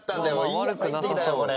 いいやつ入ってきたよこれ。